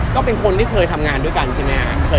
ก็เป็นคนที่เคยทำงานด้วยกันใช่มั้ยก่อน